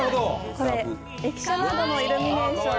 これ駅舎などのイルミネーション。